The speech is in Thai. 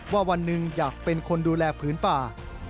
วันหนึ่งอยากเป็นคนดูแลผืนป่า